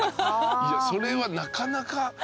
それはなかなか。